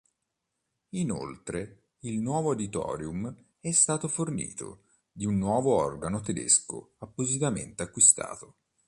Inoltre il nuovo auditorium è stato fornito di un organo tedesco appositamente acquistato.